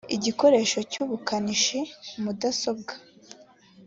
igikoresho cy ubukanishi mudasobwa